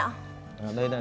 ở đây này